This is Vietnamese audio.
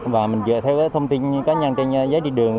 và mình dựa theo cái thông tin cá nhân trên giấy đi đường